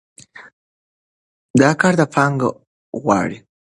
دا کار پانګه غواړي.